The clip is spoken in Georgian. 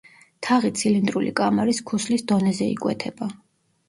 თაღი ცილინდრული კამარის ქუსლის დონეზე იკვეთება.